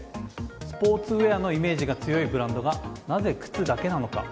スポーツウェアのイメージが強いブランドがなぜ靴だけなのか。